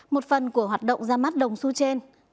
một phần của hoạt động ra mắt đồng su trên